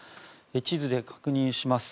地図で確認します。